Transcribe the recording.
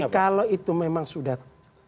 kalau itu memang sudah